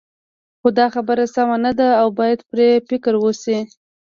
خو دا خبره سمه نه ده او باید پرې فکر وشي.